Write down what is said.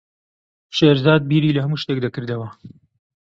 شێرزاد بیری لە هەموو شتێک دەکردەوە.